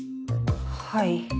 はい。